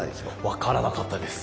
分からなかったです。